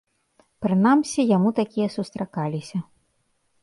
Прынамсі, яму такія сустракаліся.